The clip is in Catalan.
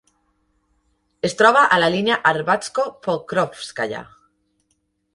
Es troba a la línia Arbatsko-Pokrovskaya.